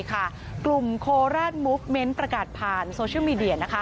กลุ่มโคราชมุกเมนต์ประกาศผ่านโซเชียลมีเดีย